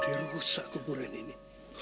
loh jadi rusak kuburan ini